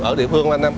ở địa phương